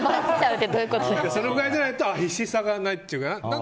そのぐらいじゃないと必死さがないっていうか。